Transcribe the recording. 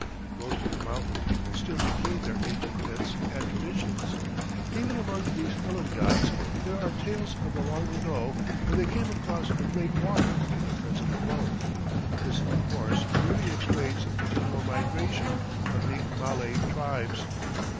Most of the mountain people still retain their ancient myths and traditions. Even among these Ilongots there are tales of the long ago when they came across a "great water" to their present abode. This, of course, merely explains the general migration of the Malay tribes.